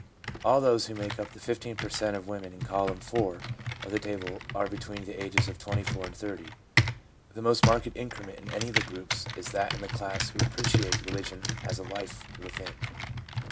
All those who make up the 15 per cent, of women in column four of the table are between the ages of 24 and 30. The most marked increment in any of the groups is that in the class who appreciate religion as a life within.